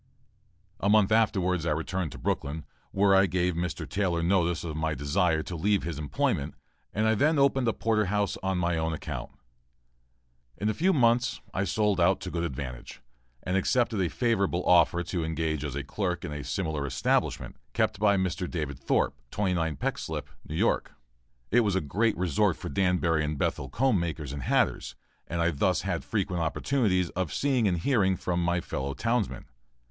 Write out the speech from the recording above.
A month afterwards, I returned to Brooklyn, where I gave Mr. Taylor notice of my desire to leave his employment; and I then opened a porter house on my own account. In a few months I sold out to good advantage and accepted a favorable offer to engage as clerk in a similar establishment, kept by Mr. David Thorp, 29 Peck Slip, New York. It was a great resort for Danbury and Bethel comb makers and hatters and I thus had frequent opportunities of seeing and hearing from my fellow townsmen.